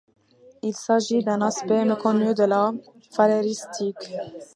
Il s'agit d'un aspect méconnu de la phaléristique.